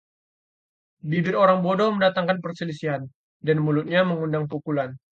Bibir orang bodoh mendatangkan perselisihan, dan mulutnya mengundang pukulan.